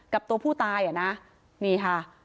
กับตัวผู้ตายอ่ะนะ